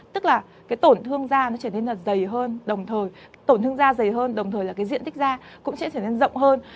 tức là cái tổn thương da nó trở nên là dày hơn đồng thời tổn thương da dày hơn đồng thời là cái diện tích da cũng sẽ trở nên rộng hơn